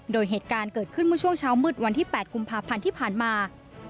โดยเหตุการณ์เกิดขึ้นเมื่อช่วงเช้ามืดวันที่๘กุมภาพันธ์ที่ผ่านมา